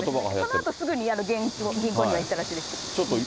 そのあとすぐに銀行には行ったらしいです。